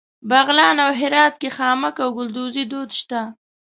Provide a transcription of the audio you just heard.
بغلان او هرات کې خامک او ګلدوزي دود شته.